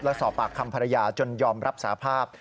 และสอบปากคำภรรยาจนยอมรับสาภาพ